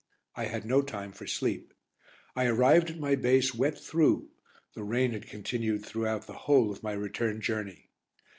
I had no time for sleep. I arrived at my base wet through, the rain had continued throughout the whole of my return journey.